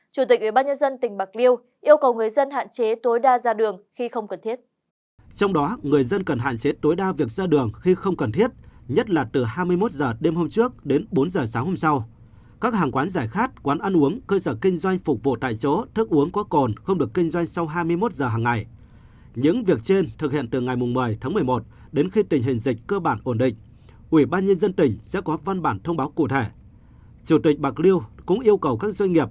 chủ tịch ubnd tỉnh bạc liêu yêu cầu người dân hạn chế tối đa ra đường khi không cần thiết